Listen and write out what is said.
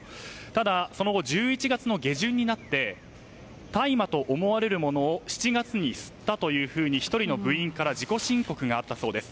ただその後１１月の下旬になって大麻と思われるものを７月に吸ったというふうに１人の部員から自己申告があったそうです。